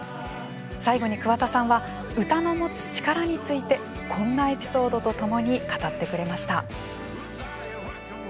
最後に桑田さんは歌の持つ力についてこんなエピソードとともに語ってくれました。